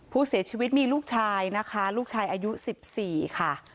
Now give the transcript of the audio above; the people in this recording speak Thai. ผู้เสียชีวิตมีลูกชายนะคะลูกชายอายุ๑๔ค่ะ